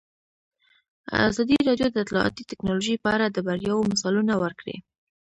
ازادي راډیو د اطلاعاتی تکنالوژي په اړه د بریاوو مثالونه ورکړي.